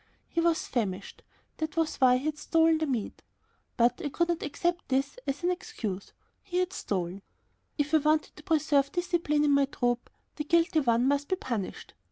He was famished, that was why he had stolen the meat. But I could not accept this as an excuse. He had stolen. If I wanted to preserve discipline in my troop, the guilty one must be punished.